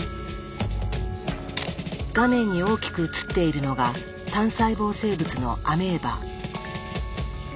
画面に大きく映っているのが単細胞生物のアメーバ。